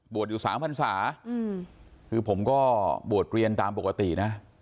บวชอยู่สามพรรษาคือผมก็บวชเรียนตามปกตินะ